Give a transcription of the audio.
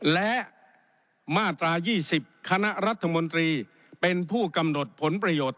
และมาตรา๒๐คณะรัฐมนตรีเป็นผู้กำหนดผลประโยชน์